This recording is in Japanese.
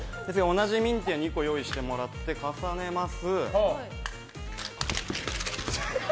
同じミンティアを２個用意してもらって、重ねます